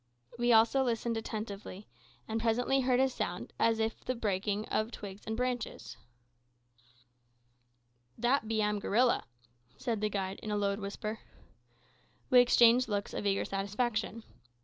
We also listened attentively, and presently heard a sound as of the breaking of twigs and branches. "Dat am be gorilla," said the guide, in a low whisper. We exchanged looks of eager satisfaction.